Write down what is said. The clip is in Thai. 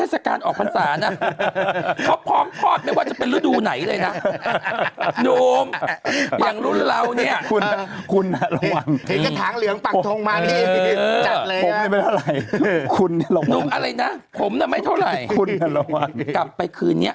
สาบานว่าฉันจะซื้อ